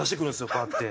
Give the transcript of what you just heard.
こうやって。